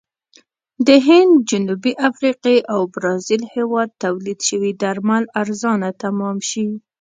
د هند، جنوبي افریقې او برازیل هېواد تولید شوي درمل ارزانه تمام شي.